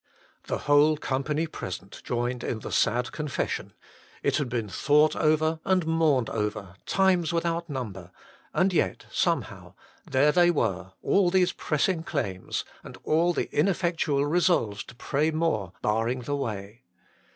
The whole company present joined in the sad confession ; it had been thought over, and mourned over, times without number; and yet, some how, there they were, all these pressing claims, and all the ineffectual resolves to pray more, barring the way.